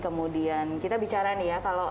kemudian kita bicara nih ya kalau